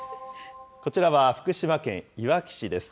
こちらは福島県いわき市です。